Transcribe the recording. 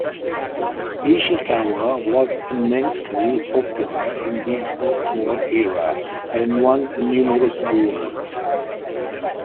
Ishikawa was immensely popular in the post-war era, and won numerous awards.